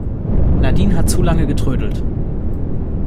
Nadine hat zu lange getrödelt.